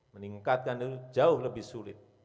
meningkatkan itu jauh lebih sulit